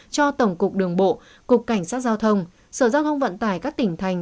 cho tổng cục đường bộ cục cảnh sát giao thông sở giao thông vận tải các tỉnh thành